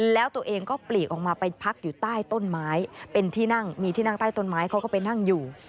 แล้วตัวเองก็ปลีกออกมาไปพักอยู่ใต้ต้นไม้เป็นที่นั่งมีที่นั่งใต้ต้นไม้เขาก็ไปนั่งอยู่